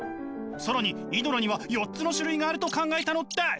更にイドラには４つの種類があると考えたのです！